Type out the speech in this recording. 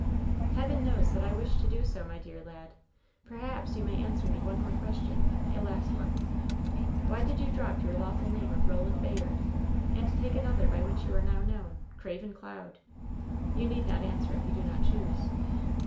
"Heaven knows that I wish to do so, my dear lad ! Per haps you may answer me one more question — a last one : Why did you drop your lawful name of 'Roland Bay ard,' and take another by which you are now known — 'Craven Cloud?' You need not answer if you do not choose?"